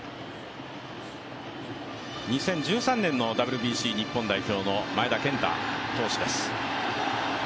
２０１３年のＷＢＣ日本代表の前田健太投手です。